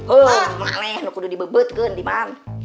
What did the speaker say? oh saya sudah dibebet kan di mana